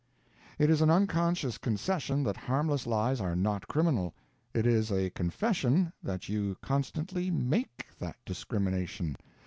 "It is an unconscious concession that harmless lies are not criminal; it is a confession that you constantly _make _that discrimination.